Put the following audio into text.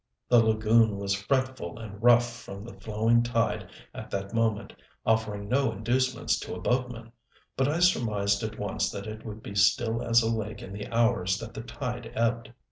The lagoon was fretful and rough from the flowing tide at that moment, offering no inducements to a boatman, but I surmised at once that it would be still as a lake in the hours that the tide ebbed.